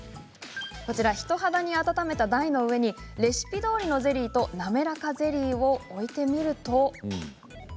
人肌に温めた台の上にレシピどおりのゼリーとなめらかゼリーを置くと。